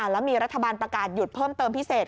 แล้วมีรัฐบาลประกาศหยุดเพิ่มเติมพิเศษ